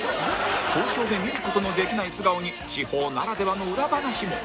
東京で見る事のできない素顔に地方ならではの裏話も